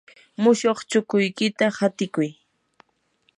mushuq chukuykita hatikuy.